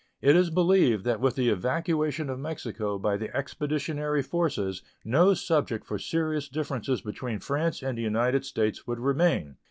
It is believed that with the evacuation of Mexico by the expeditionary forces no subject for serious differences between France and the United States would remain.